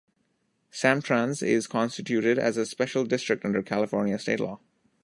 SamTrans is constituted as a special district under California state law.